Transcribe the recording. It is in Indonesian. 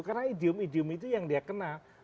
karena idiom idiom itu yang dia kenal